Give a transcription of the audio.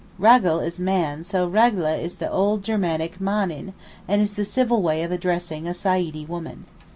Ragel is man, so ragleh is the old German Männin, and is the civil way of addressing a Saeedee woman.